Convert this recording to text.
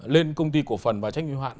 lên công ty cổ phần và trách nghĩa hoạt